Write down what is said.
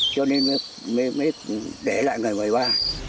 cho nên mới để lại ngày mười ba